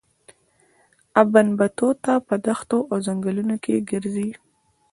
ابن بطوطه په دښتونو او ځنګلونو کې ګرځي.